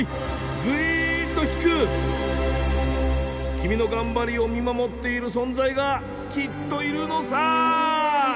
君の頑張りを見守っている存在がきっといるのさ！